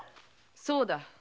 そうだ。